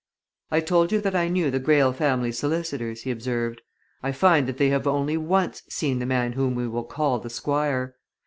"I told you that I knew the Greyle family solicitors," he observed. "I find that they have only once seen the man whom we will call the Squire.